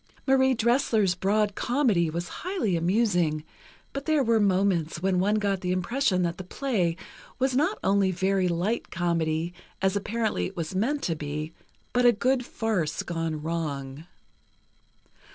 Marie Dressler's broad comedy was highly amusing, but there were moments when one got the impression that the play was not only very light comedy, as apparently it was meant to be, but a good farce gone wrong.